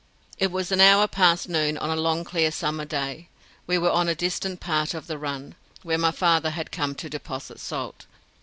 It was an hour past noon on a long clear summer day. We were on a distant part of the run, where my father had come to deposit salt.